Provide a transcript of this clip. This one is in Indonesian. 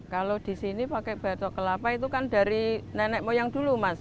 kalau di sini pakai batok kelapa itu kan dari nenek moyang dulu mas